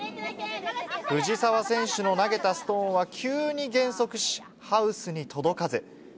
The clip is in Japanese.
藤澤選手の投げたストーンは、急に減速し、ハウスに届かず。